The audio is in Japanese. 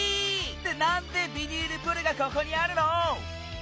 ってなんでビニールプールがここにあるの？